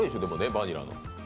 バニラの。